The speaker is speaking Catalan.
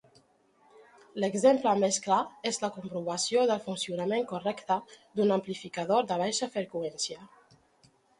L'exemple més clar és la comprovació del funcionament correcte d'un amplificador de baixa freqüència.